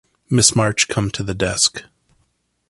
Miss March, come to the desk.